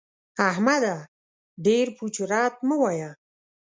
احمده! ډېر پوچ و رد مه وايه.